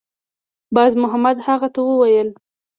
بازمحمد هغه ته وویل